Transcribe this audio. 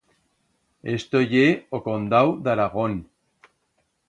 Esto ye o condau d'Aragón.